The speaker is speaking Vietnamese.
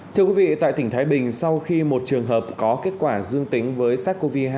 thưa quý vị tại tỉnh thái bình sau khi một trường hợp có kết quả dương tính với sars cov hai